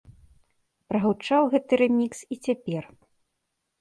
Прагучаў гэты рэмікс і цяпер.